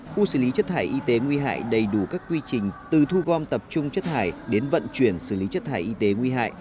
khu xử lý chất thải y tế nguy hại đầy đủ các quy trình từ thu gom tập trung chất thải đến vận chuyển xử lý chất thải y tế nguy hại